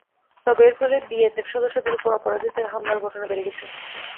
তবে এর ফলে বিএসএফ সদস্যদের ওপর অপরাধীদের হামলার ঘটনা বেড়ে গেছে।